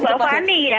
untuk bapak ani ya